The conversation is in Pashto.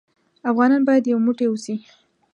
افغانان بايد يو موټى اوسې.